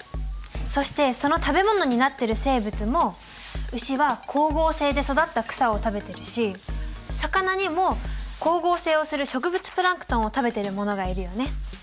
そしてその食べ物になってる生物もウシは光合成で育った草を食べてるし魚にも光合成をする植物プランクトンを食べてるものがいるよね。